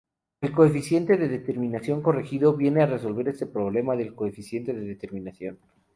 El coeficiente de determinación corregido viene a resolver este problema del coeficiente de determinación.